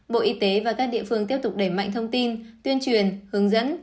bộ y tế và các địa phương tiếp tục đẩy mạnh thông tin tuyên truyền hướng dẫn